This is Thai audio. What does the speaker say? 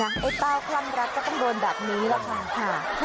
ไอ้เต้าคลั่งรักก็ต้องโดนแบบนี้แหละค่ะ